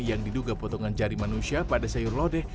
yang diduga potongan jari manusia pada sayur lodeh